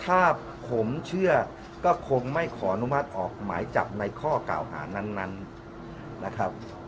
ถ้าผมเชื่อก็คงไม่ขออนุมัติออกหมายจับในข้อกล่าวหานั้นนะครับ